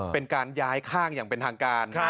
เป็นการย้ายข้างอย่างเป็นทางการ